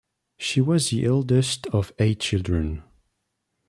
She was the eldest of eight children.